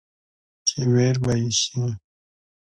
چې وېر به يې شي ،